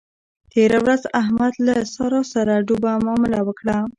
تېره ورځ احمد له له سارا سره ډوبه مامله وکړه.